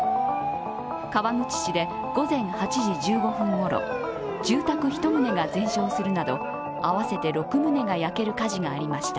川口市で午前８時１５分ごろ、住宅１棟が全焼するなど合わせて６棟が焼ける火事がありました。